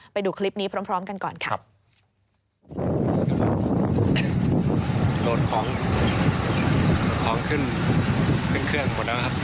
ไปดูคลิปนี้พร้อมกันก่อนครับ